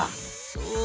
そう。